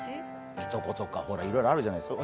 いとことかいろいろあるじゃないですか。